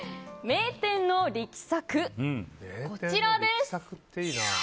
名店の力作、こちらです。